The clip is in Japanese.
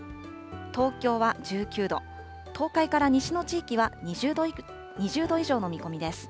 東京は１９度、東海から西の地域は２０度以上の見込みです。